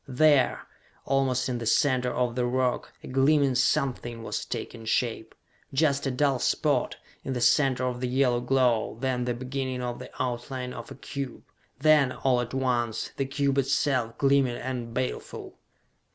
There, almost in the center of the rock, a gleaming something was taking shape! Just a dull spot, in the center of the yellow glow; then the beginning of the outline of a cube. Then, all at once, the cube itself, gleaming and baleful!